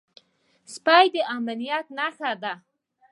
سپي د امنيت نښه ده.